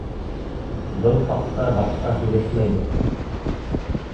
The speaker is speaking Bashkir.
Был хаҡта башҡа һөйләшмәйбеҙ!..